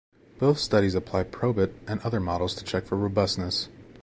Both studies apply Probit and other models to check for robustness.